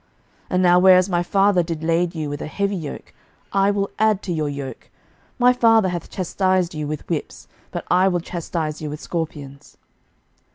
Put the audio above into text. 11:012:011 And now whereas my father did lade you with a heavy yoke, I will add to your yoke: my father hath chastised you with whips, but I will chastise you with scorpions.